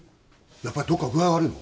やっぱりどっか具合悪いの？